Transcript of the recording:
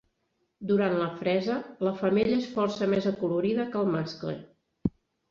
Durant la fresa, la femella és força més acolorida que el mascle.